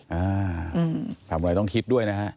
อ่าทำอะไรต้องคิดด้วยนะฮะ